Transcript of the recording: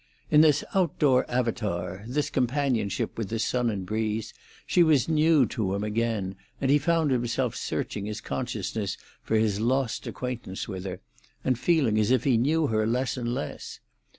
In this outdoor avatar, this companionship with the sun and breeze, she was new to him again, and he found himself searching his consciousness for his lost acquaintance with her, and feeling as if he knew her less and less.